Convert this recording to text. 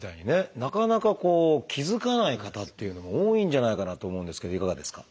なかなか気付かない方っていうのも多いんじゃないかなと思うんですけどいかがですか？